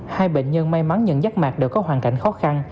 hai bệnh nhân may mắn nhận giác mạc đều có hoàn cảnh khó khăn